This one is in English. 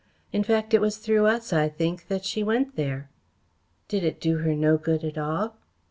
In fact, it was through us, I think, that she went there." "Did it do her no good at all?"